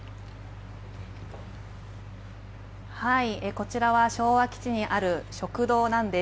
こちらは昭和基地にある食堂なんです。